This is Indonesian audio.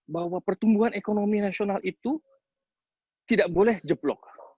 bahwa pertumbuhan ekonomi nasional itu tidak boleh jeblok